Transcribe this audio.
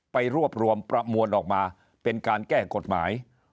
ไปรวบรวมประมวลออกมาเป็นการแก้กฎหมาย